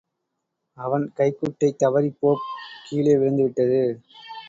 அவன் கைக்குட்டைதவறிப் போப் கீழே விழந்து விட்டது.